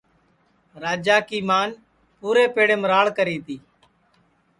راجا کی مان پُورے پیڑیم راڑ کری تی